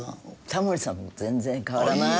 タモリさんも全然変わらない。